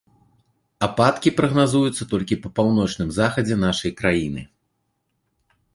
Ападкі прагназуюцца толькі па паўночным захадзе нашай краіны.